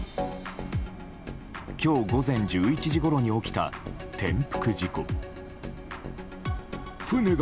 今日午前１１時ごろに起きた転覆事故。